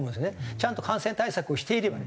ちゃんと感染対策をしていればね。